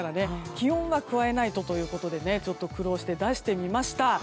気温は加えないとということで苦労して出してみました。